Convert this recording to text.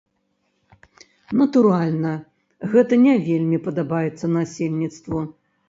Натуральна, гэта не вельмі падабаецца насельніцтву.